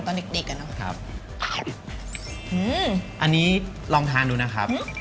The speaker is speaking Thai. อันนี้ลองทานดูนะครับ